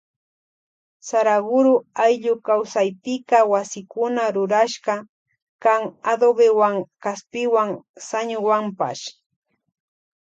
Saraguro ayllu kawsaypika wasikuna rurashka kan adobewan kaspiwan sañuwanpash.